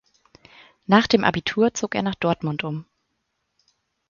Nach dem Abitur zog er nach Dortmund um.